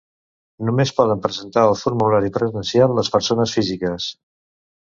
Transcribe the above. Només poden presentar el formulari presencial les persones físiques.